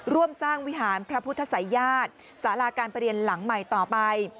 ร่วมสร้างวิหารพระพุทธศัยญาติสาราการประเรียนหลังใหม่ต่อไป